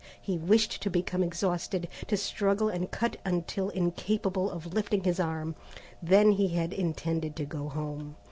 He wished to become exhausted, to struggle and cut until incapable of lifting his arm. Then he had intended to go home.